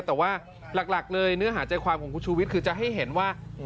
แต่ว่าหลักเลยเนื้อหาใจความของคุณชูวิทย์คือจะให้เห็นว่า